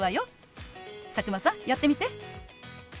佐久間さんやってみて。